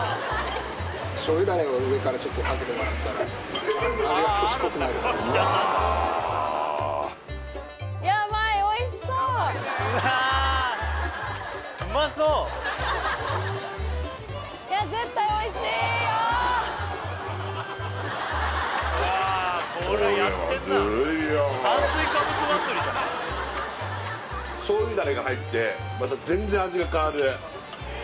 醤油ダレを上からちょっとかけてもらったら味が少し濃くなるうわ醤油ダレが入ってまた全然味が変わるね